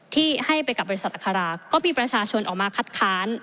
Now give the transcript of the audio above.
ที่ให้ไปกับบริษัทอัคราก็มีประชาชนออกมาคัดค้าน